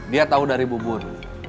dia tahu dari bubun